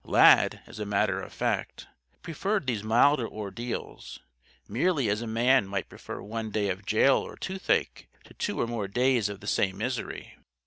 Lad, as a matter of fact, preferred these milder ordeals, merely as a man might prefer one day of jail or toothache to two or more days of the same misery.